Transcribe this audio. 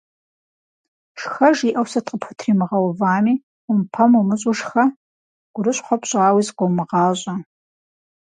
Шхэ жиӏэу сыт къыпхутримыгъэувами – ӏумпэм умыщӏу, шхэ, гурыщхъуэ пщӏауи зыкъыумыгъащӏэ.